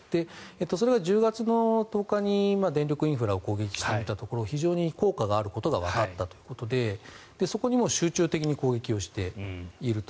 それは１０月の１０日に電力インフラに攻撃してみたところ非常に効果があることがわかったということでそこに集中的に攻撃をしていると。